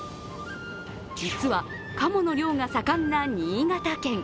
実は、カモの漁が盛んな新潟県。